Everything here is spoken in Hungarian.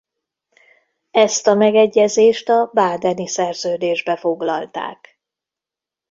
Ezt a megegyezést a badeni szerződésbe foglalták.